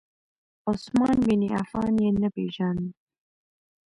عثمان بن عفان یې نه پیژاند.